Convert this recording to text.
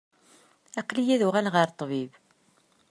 Ilaq-iyi ad uɣaleɣ ɣer ṭṭbib.